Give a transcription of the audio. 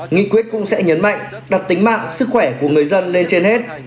nghị quyết cũng sẽ nhấn mạnh đặt tính mạng sức khỏe của người dân lên trên hết